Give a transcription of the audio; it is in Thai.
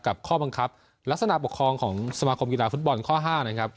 ข้อบังคับลักษณะปกครองของสมาคมกีฬาฟุตบอลข้อ๕นะครับ